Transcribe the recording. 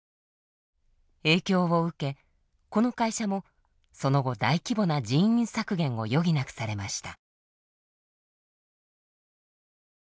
影響を受けこの会社もその後大規模な人員削減を余儀なくされました。